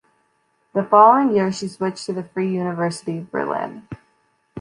The following year, she switched to the Free University of Berlin.